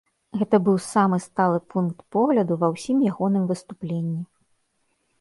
Гэта быў самы сталы пункт погляду ва ўсім ягоным выступленні.